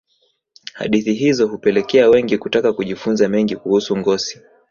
hadithi hizo hupelekea wengi kutaka kujifunza mengi kuhusu ngosi